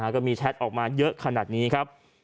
ก็มีแชทออกมาเยอะขนาดนี้ครับ